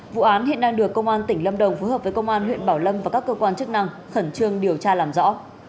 vụ án hiện đang được công an tỉnh lâm đồng phối hợp với công an huyện bảo lâm và các cơ quan chức năng khẩn trương điều tra làm rõ